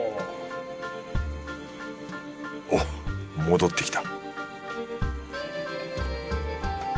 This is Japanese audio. おっ戻ってきた